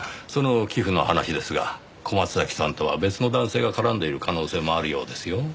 その寄付の話ですが小松崎さんとは別の男性が絡んでいる可能性もあるようですよ。